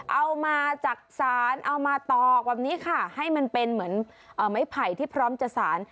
เอามาจากศาลเอามาตอกแบบนี้ค่ะให้มันเป็นเหมือนไม้ไผ่ที่พร้อมจะสาร